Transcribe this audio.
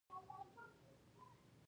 چې د افغانستان له پوځونو سره مخامخ شو.